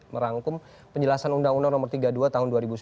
merangkum penjelasan undang undang nomor tiga puluh dua tahun dua ribu sembilan